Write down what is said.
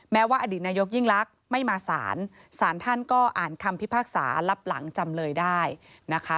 ว่าอดีตนายกยิ่งลักษณ์ไม่มาสารสารท่านก็อ่านคำพิพากษารับหลังจำเลยได้นะคะ